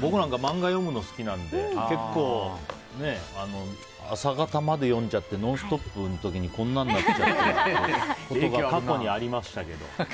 僕なんか漫画読むの好きなんで結構、朝方まで読んじゃって「ノンストップ！」の時にこんなんなってたりが過去にありましたけど。